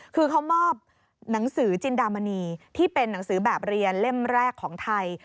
คือเขามอบหนังสือจินดามณีที่เป็นหนังสือแบบเรียนเล่มแรกของไทย